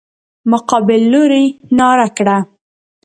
مقابل لوري ناره کړه.